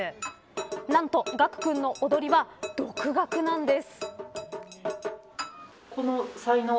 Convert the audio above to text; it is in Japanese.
なんと、岳玖くんの踊りは独学なんです。